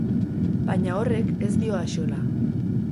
Baina horrek ez dio axola.